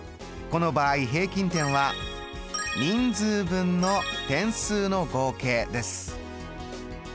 この場合平均点は人数分の点数の合計です。